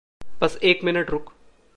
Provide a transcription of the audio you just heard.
बस एक मिनट रुक।